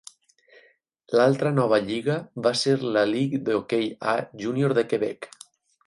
L'altra nova lliga va ser la lligue de hoquei A júnior de Quebec.